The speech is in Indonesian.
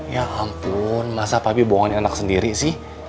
ya ampun masa papi bohongin anak sendiri sih